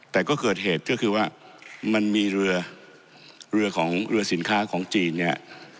แต่ก็เกิดเหตุก็คือว่ามันมีเรือเรือของเรือสินค้าของจีนเนี่ย